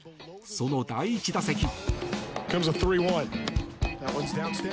その第１打席。